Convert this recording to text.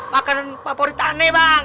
makanan favorit aneh bang